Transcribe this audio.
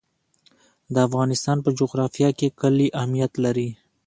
د افغانستان په جغرافیه کې کلي اهمیت لري.